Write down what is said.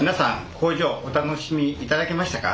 工場お楽しみいただけましたか？